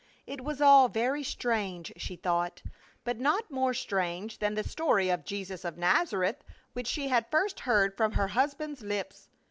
It was all very strange, she thought ; but not more strange than the story of Jesus of Nazareth, which she had first heard from her husband's lips.